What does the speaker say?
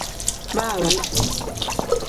Baa we.